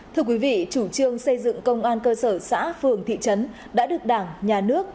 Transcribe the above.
thưa quý vị chủ trương xây dựng công an cơ sở xã phường thị trấn đã được đảng nhà nước